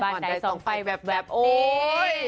บ้านใดสองไฟแบบโอ๊ย